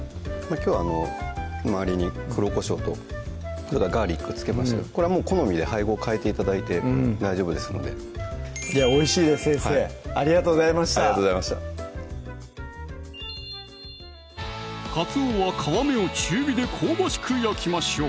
きょうは周りに黒こしょうとガーリック付けましたけどこれは好みで配合を変えて頂いて大丈夫ですのでいやおいしいです先生ありがとうございましたありがとうございましたかつおは皮目を中火で香ばしく焼きましょう